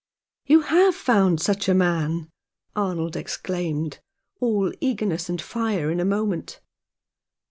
"You have found such a man," Arnold ex claimed, all eagerness and fire in a moment.